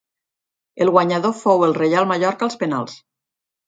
El guanyador fou el Reial Mallorca als penals.